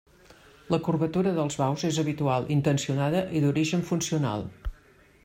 La curvatura dels baus és habitual, intencionada i d'origen funcional.